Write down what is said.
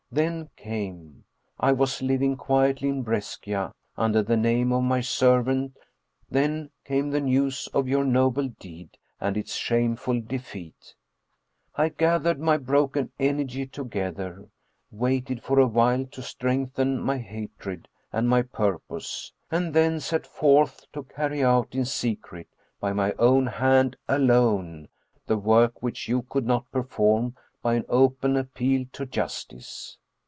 Then came I was living quietly in Brescia under the name of my servant then came the news of your noble deed and its shameful defeat. I gathered my broken energy together, waited for a while to strengthen my hatred and my purpose, and then set forth to carry out in secret, by my own hand alone, the work which you could not perform by an open appeal to justice.